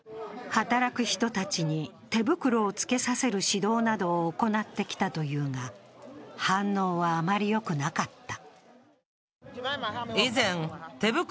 働く人たちに手袋をつけさせる指導などを行ってきたというが反応はあまりよくなかった。